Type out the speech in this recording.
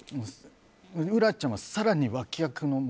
ウラちゃんは更に脇役の。